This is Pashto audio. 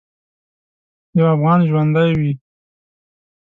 یو افغان ژوندی وي.